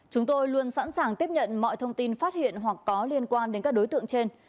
chúng tôi luôn sẵn sàng tiếp nhận mọi thông tin phát hiện hoặc có liên quan đến các đối tượng trên